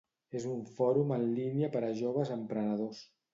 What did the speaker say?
És un fòrum en línia per a joves emprenedors.